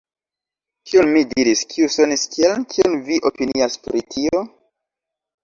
Kion mi diris kiu sonis kiel “kion vi opinias pri tio”?